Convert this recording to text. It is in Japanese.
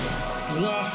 うわ！